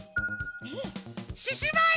ししまい！